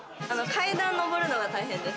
階段上るのが大変です。